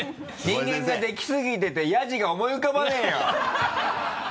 人間ができすぎててヤジが思い浮かばねぇよ！